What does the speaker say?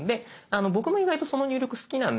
僕も意外とその入力好きなんです。